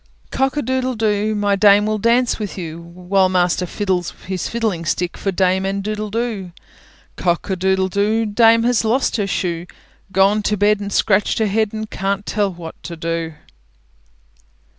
Cock a doodle doo! My dame will dance with you, While master fiddles his fiddling stick, For dame and doodle doo. Cock a doodle doo! Dame has lost her shoe; Gone to bed and scratched her head, And can't tell what to do.